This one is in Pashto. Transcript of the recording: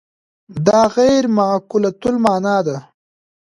دا غیر معقولة المعنی ده.